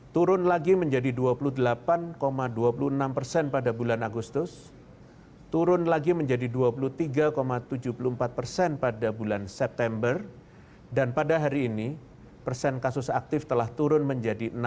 turun menjadi enam belas delapan persen